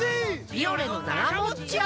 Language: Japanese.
「ビオレ」のながもっち泡！